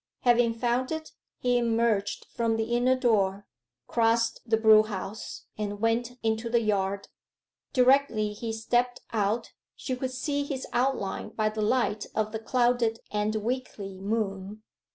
Having found it, he emerged from the inner door, crossed the brewhouse, and went into the yard. Directly he stepped out she could see his outline by the light of the clouded and weakly moon.